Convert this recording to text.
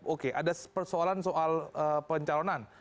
oke ada persoalan soal pencalonan